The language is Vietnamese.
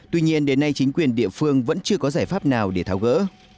tuy nhiên đến nay chính quyền địa phương vẫn chưa có giải pháp nào để tháo gỡ